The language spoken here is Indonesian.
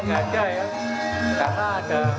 nggak ada ya karena ada